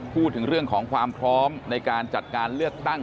พูดถึงเรื่องของความพร้อมในการจัดการเลือกตั้ง